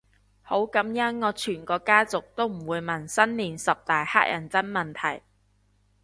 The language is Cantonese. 好感恩我全個家族都唔會問新年十大乞人憎問題